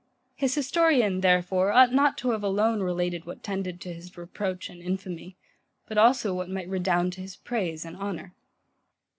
His historian, therefore, ought not to have alone related what tended to his reproach and infamy; but also what might redound to his Praise and Honour.